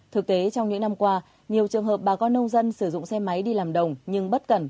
thực tế trong những năm qua nhiều trường hợp bà con nông dân sử dụng xe máy đi làm đồng nhưng bất cẩn